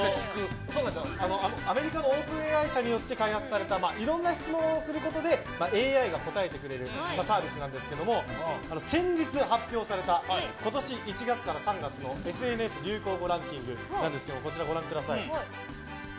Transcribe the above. アメリカのＯｐｅｎＡＩ社によって開発されたいろんな質問をすることでＡＩが答えてくれるサービスなんですが先日発表された今年１月から３月のＳＮＳ流行語ランキングですがこちらをご覧ください。